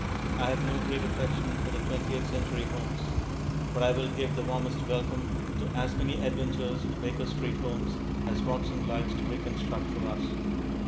I have no great affection for the twentieth century Holmes. But I will give the warmest welcome to as many adventures of the Baker Street Holmes as Watson likes to reconstruct for us.